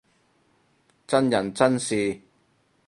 真人真事